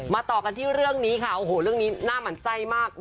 ต่อกันที่เรื่องนี้ค่ะโอ้โหเรื่องนี้น่าหมั่นไส้มาก